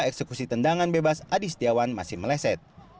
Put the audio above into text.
eksekusi tendangan bebas adi setiawan masih meleset